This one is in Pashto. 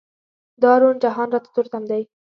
دا روڼ جهان راته تور تم دی.